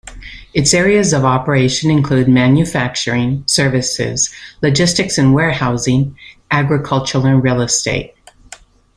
Its areas of operation include manufacturing, services, logistics and warehousing, agricultural and real estate.